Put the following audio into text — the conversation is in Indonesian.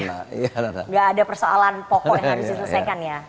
tidak ada persoalan pokok yang harus diselesaikan ya